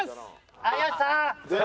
有吉さん！